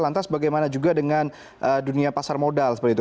lantas bagaimana juga dengan dunia pasar modal seperti itu